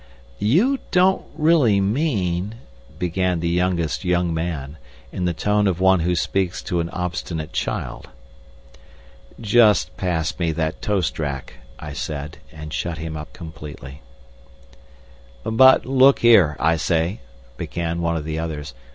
"You don't really mean—" began the youngest young man, in the tone of one who speaks to an obstinate child. "Just pass me that toast rack," I said, and shut him up completely. "But look here, I say," began one of the others.